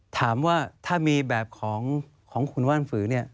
ถามว่าถ้ามีแบบของของขุนว่านฝือนี่